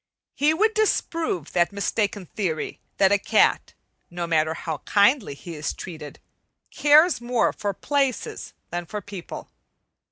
He would disprove that mistaken theory that a cat, no matter how kindly he is treated, cares more for places than for people.